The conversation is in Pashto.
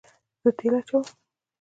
زه تیل اچوم